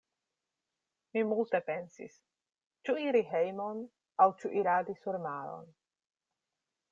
Mi multe pensis; ĉu iri hejmon, aŭ ĉu iradi surmaron.